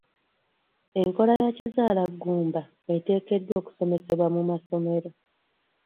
Enkola ya kizaala ggumba eteekeddwa okusomesebwa mu masomero,